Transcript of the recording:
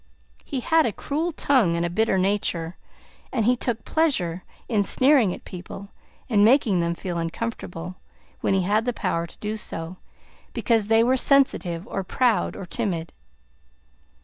He had a cruel tongue and a bitter nature, and he took pleasure in sneering at people and making them feel uncomfortable, when he had the power to do so, because they were sensitive or proud or timid.